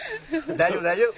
大丈夫大丈夫。